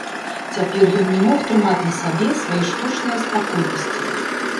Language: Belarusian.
Цяпер ён не мог трымаць на сабе свае штучнае спакойнасці.